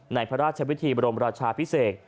พระราชวิธีบรมราชาพิเศษ